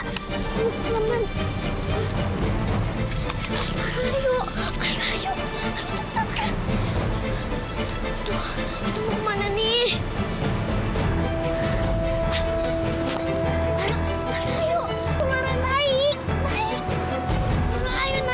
ayo tuh mereka udah ketemu ayo lara ayo